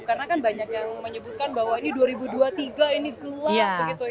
karena kan banyak yang menyebutkan bahwa ini dua ribu dua puluh tiga ini gelap